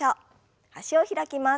脚を開きます。